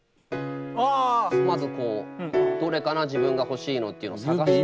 まずこうどれかな自分が欲しいのっていうのを探して。